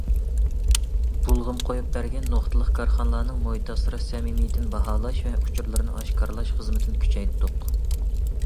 بۇلغىما قويۇپ بەرگەن نۇقتىلىق كارخانىلارنىڭ مۇھىت ئاسراش سەمىمىيىتىنى باھالاش ۋە ئۇچۇرلىرىنى ئاشكارىلاش خىزمىتىنى كۈچەيتتۇق.